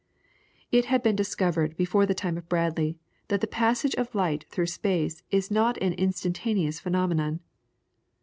It had been discovered before the time of Bradley that the passage of light through space is not an instantaneous phenomenon.